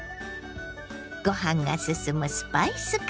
ご飯がすすむスパイスカレー。